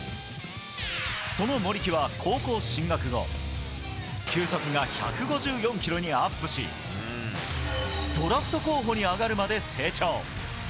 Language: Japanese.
その森木は高校進学後球速が１５４キロにアップしドラフト候補に挙がるまで成長。